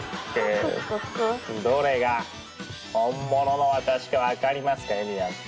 どれが本物の私か分かりますかゆりやんさん。